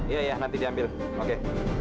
iya iya nanti diambil oke